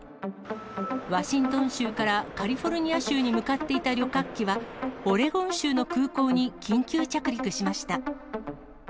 ワシントン州からカリフォルニア州に向かっていた旅客機は、オレゴン州の空港に緊急着陸しました。